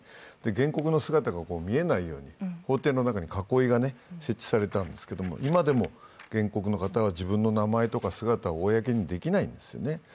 原告の姿が見えないように法廷の中に囲いが設置されたんですけれども、今でも原告の方は自分の名前とか姿を公にできないんですよね。